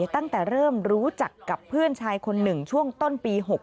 ตั้งแต่เริ่มรู้จักกับเพื่อนชายคนหนึ่งช่วงต้นปี๖๖